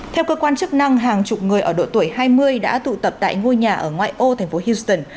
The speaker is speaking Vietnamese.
theo cơ quan chức năng hàng chục người ở độ tuổi hai mươi đã tụ tập tại ngôi nhà ở ngoại ô thành phố houston